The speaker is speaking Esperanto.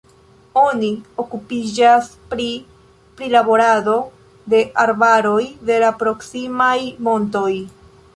Oni okupiĝas pri prilaborado de arbaroj de la proksimaj montoj.